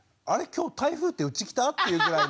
今日台風ってうち来た？っていうぐらいの。